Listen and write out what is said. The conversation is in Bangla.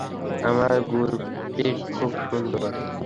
আমার গুরপ্রিট খুব সুন্দর।